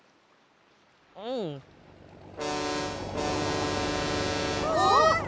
うん。あっ！